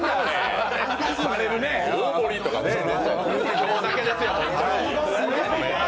今日だけですよ。